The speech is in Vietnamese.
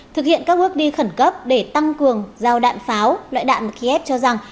thực hiện các bước đi khẩn cấp để tăng cường giao đạn pháo loại đạn khi ép cho rong